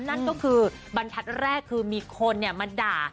นั่นก็คือบรรทัศน์แรกคือมีคนมาด่า